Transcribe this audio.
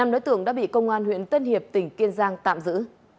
năm đối tượng đã bị công an huyện tân hiệp tỉnh kiên giang tạm giữ